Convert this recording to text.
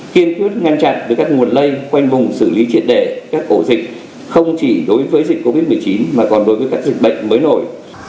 kiên quyết ngăn chặn với các nguồn lây quanh vùng xử lý triệt đệ các ổ dịch không chỉ đối với dịch covid một mươi chín mà còn đối với các dịch bệnh mới nổi